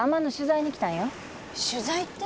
取材って？